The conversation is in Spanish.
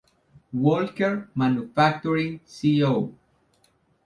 Walker Manufacturing Co.